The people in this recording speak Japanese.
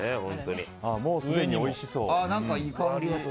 もうすでにおいしそう。